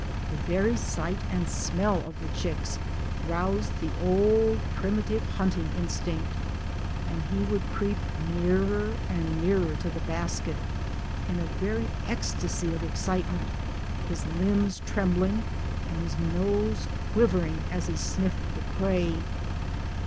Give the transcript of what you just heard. The very sight and smell of the chicks roused the old 1 primitive hunting in stinct, and he would creep nearer and nearer to the basket in a very ecstasy of excitement his limbs trembling and his nose quivering as he sniffed the prey.